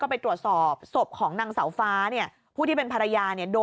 ก็ไปตรวจสอบศพของนางสาวฟ้าผู้ที่เป็นภรรยา